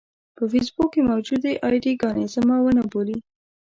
په فېسبوک کې موجودې اې ډي ګانې زما ونه بولي.